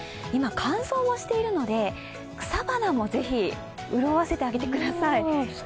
今、乾燥もしているので、草花もぜひ、潤わせてあげてください。